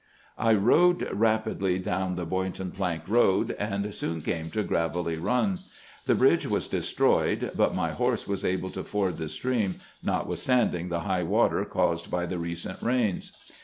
I rode rapidly down the Boydton plank road, and soon came to G raveUy Run. The bridge was destroyed, but my horse was able to ford the stream, notwithstanding the high water caused by the recent rains.